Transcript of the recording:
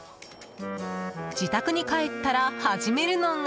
自宅に帰ったら始めるのが。